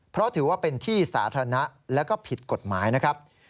เพราะถือว่าเป็นที่สาธารณะแล้วก็ผิดกฎหมายนะครับ